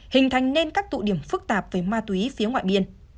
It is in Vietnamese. hình thành nên các tụ điểm phức tạp về ma túy phía ngoại biên